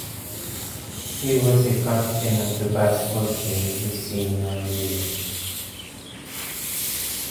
He was captain of the basketball team his senior year.